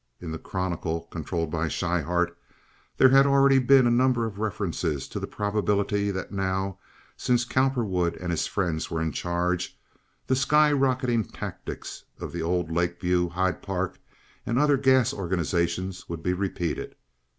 (In the Chronicle, controlled by Schryhart, there had already been a number of references to the probability that now, since Cowperwood and his friends were in charge, the sky rocketing tactics of the old Lake View, Hyde Park, and other gas organizations would be repeated.